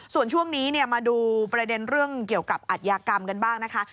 ส่วนช่วงนี้มาดูประเด็นเรื่องเกี่ยวกับอัธยากรรมกันบ้างนะคะ